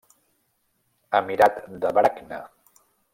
Emirat de Brakna.